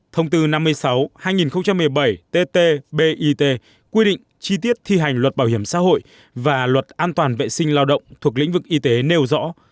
thông tư năm mươi sáu hai nghìn một mươi bảy tt bit quy định chi tiết thi hành luật bảo hiểm xã hội và luật an toàn vệ sinh lao động thuộc lĩnh vực y tế nêu rõ